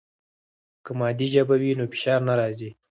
که مادي ژبه وي نو فشار نه راځي.